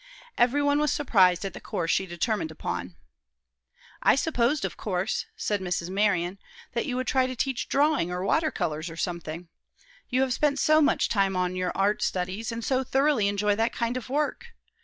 Every one was surprised at the course she determined upon. "I supposed, of course," said Mrs. Marion, "that you would try to teach drawing or watercolors, or something. You have spent so much time on your art studies, and so thoroughly enjoy that kind of work.